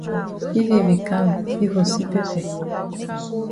If yi be kam yi for see pepper.